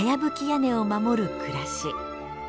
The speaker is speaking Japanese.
屋根を守る暮らし。